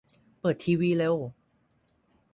เปิดทีวีเร็ว